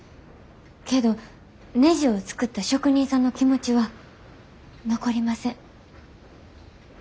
けどねじを作った職人さんの気持ちは残りません。